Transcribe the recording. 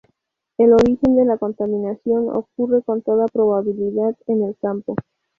El origen de la contaminación ocurre con toda probabilidad en el campo.